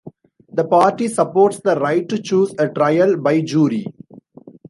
The party supports the right to choose a trial by jury.